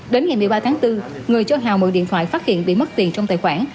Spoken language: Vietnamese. đến ngày một mươi ba tháng bốn người cho hà mượn điện thoại phát hiện bị mất tiền trong tài khoản